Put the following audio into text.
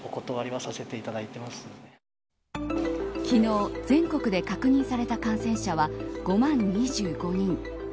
昨日全国で確認された感染者は５万２５人。